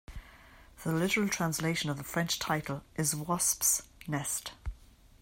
The literal translation of the French title is Wasp's Nest.